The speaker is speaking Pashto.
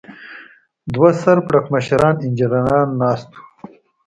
دوه سر پړکمشران انجنیران ناست و.